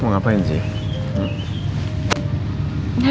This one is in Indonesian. mau ngapain sih